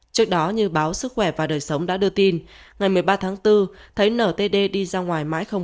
trước đó như báo sức khỏe và đời sống đã đưa tin ngày một mươi ba tháng bốn thấy ntd đi ra ngoài mãi không